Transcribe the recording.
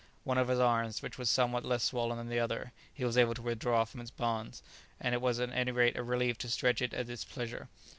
One of his arms, which was somewhat less swollen than the other, he was able to withdraw from its bonds; it was at any rate a relief to stretch it at his pleasure.